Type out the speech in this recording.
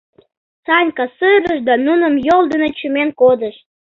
Санька сырыш да нуным йол дене чумен кодыш.